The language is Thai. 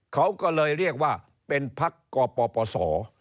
เขาก็เลยเรียกว่าเป็นพักกปปศ